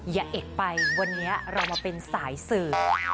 อย่าเอกไปวันนี้เรามาเป็นสายสื่อ